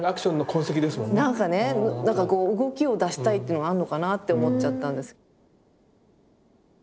なんか動きを出したいってのがあんのかなって思っちゃったんです。